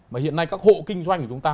mà hiện nay các hộ kinh doanh của chúng ta